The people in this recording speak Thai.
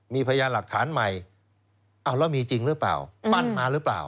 มีพยานหลักฐานใหม่เอาแล้วมีจริงหรือเปล่าปั้นมาหรือเปล่า